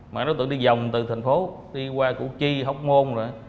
mà đối tượng đi dòng từ thành phố đi qua củ chi hóc môn rồi